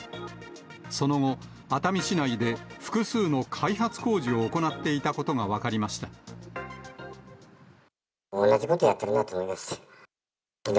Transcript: その後、熱海市内で複数の開発工事を行っていたことが分かりました。